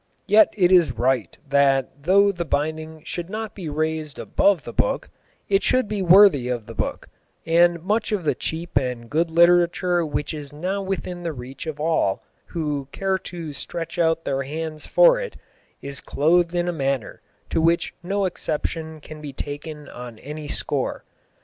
Yet it is right that though the binding should not be raised above the book, it should be worthy of the book, and much of the cheap and good literature which is now within the reach of all who care to stretch out their hands for it, is clothed in a manner to which no exception can be taken on any score.